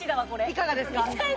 いかがですか？